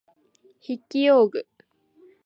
筆記用具